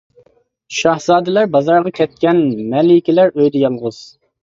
شاھزادىلەر بازارغا كەتكەن، مەلىكىلەر ئۆيىدە يالغۇز.